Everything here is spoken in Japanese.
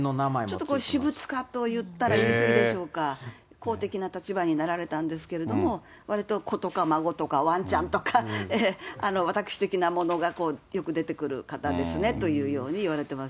ちょっと私物化といったら言い過ぎでしょうか、公的な立場になられたんですけれども、わりと子とか孫とかワンちゃんとか、私的なものがよく出てくる方ですねというようにいわれてます。